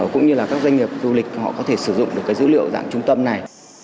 cũng như là các doanh nghiệp du lịch họ có thể sử dụng được cái dữ liệu dạng trung tâm này